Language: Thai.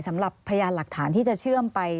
สำหรับพยานหลักฐานที่จะเชื่อมไป